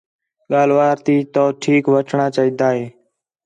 ڳالھ وار تی ٹوکیک وٹھݨاں چاہیجدا ہِے